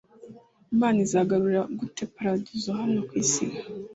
Imana izagarura ite paradizo hano ku isi?